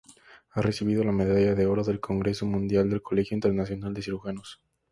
Ha recibido la medalla de oro del Congreso Mundial del Colegio Internacional de Cirujanos.